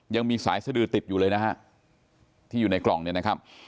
ยังมีสายสดือติดอยู่เลยนะฮะที่อยู่ในกล่องเนี่ยนะครับ